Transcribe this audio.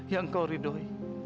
ya engkau ridhoi